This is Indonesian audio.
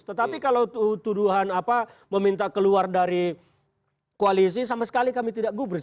tetapi kalau tuduhan meminta keluar dari koalisi sama sekali kami tidak gubris